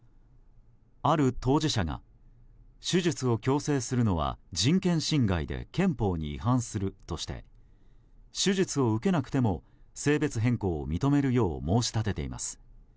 ある当事者が手術を強制するのは人権侵害で憲法に違反するとして手術を受けなくても性別変更を認めるよう申し立てています。